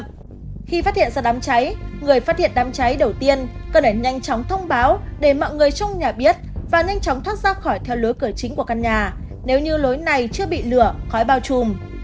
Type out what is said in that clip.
trước khi phát hiện ra đám cháy người phát hiện đám cháy đầu tiên cần phải nhanh chóng thông báo để mọi người trong nhà biết và nhanh chóng thoát ra khỏi theo lối cửa chính của căn nhà nếu như lối này chưa bị lửa khói bao trùm